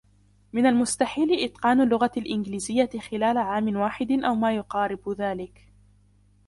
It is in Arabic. من المستحيل إتقان اللغة الإنجليزية خلال عامٍ واحد أو ما يقارب ذلك.